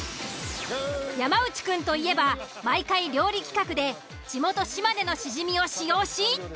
山内くんといえば毎回料理企画で地元・島根のシジミを使用し。